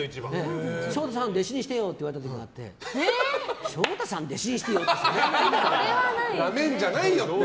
昇太さん、弟子にしてよって言われた時なんて昇太さん、弟子にしてよってそれはないだろって。